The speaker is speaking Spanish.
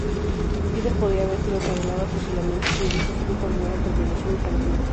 Glitter podía haber sido condenado a fusilamiento si hubiese sido condenado por violación infantil.